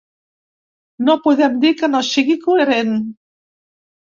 No podem dir que no sigui coherent.